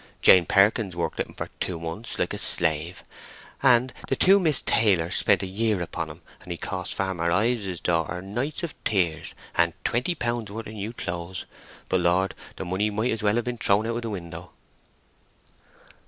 Jane Perkins worked at him for two months like a slave, and the two Miss Taylors spent a year upon him, and he cost Farmer Ives's daughter nights of tears and twenty pounds' worth of new clothes; but Lord—the money might as well have been thrown out of the window."